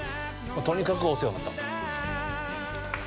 とにかくお世話になった。